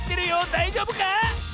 だいじょうぶか？